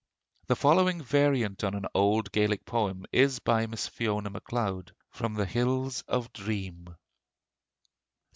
The following variant on an old Gaelic poem is by Miss Fiona Macleod ('From the Hills of Dream'): ST.